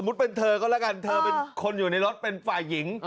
เป็นเธอก็แล้วกันเธอเป็นคนอยู่ในรถเป็นฝ่ายหญิง